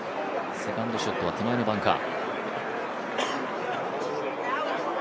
セカンドショットは手前のバンカー。